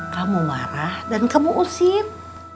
kamu marah dan kamu usir